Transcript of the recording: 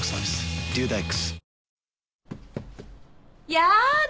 やだ